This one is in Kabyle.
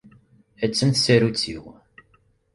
Attan tsarut-iw.